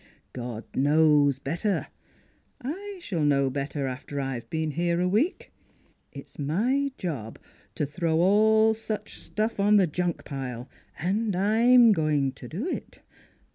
God knows better. I shall know better after I've been here a week. It's my job to throw all such stuff on the junk pile. And I'm going to do it!